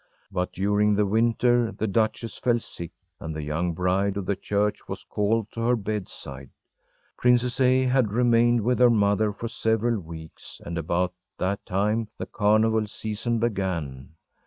But during the winter the duchess fell sick, and the young bride of the church was called to her bedside. Princess A. had remained with her mother for several weeks, and about that time the carnival season began.